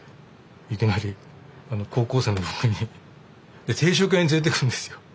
いきなり高校生の僕に。で定食屋に連れていくんですよ。